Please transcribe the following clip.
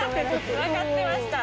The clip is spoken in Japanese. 分かってました。